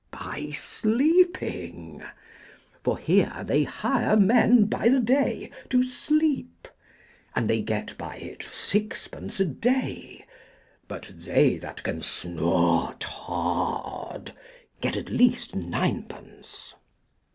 By sleeping. For there they hire men by the day to sleep, and they get by it sixpence a day, but they that can snort hard get at least ninepence.